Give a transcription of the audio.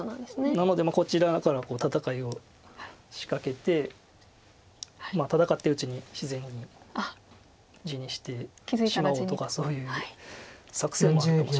なのでこちらから戦いを仕掛けて戦ってるうちに自然に地にしてしまおうとかそういう作戦もあるかもしれないですし。